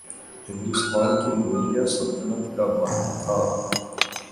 ہندوستان کی موریا سلطنت کا بانی تھا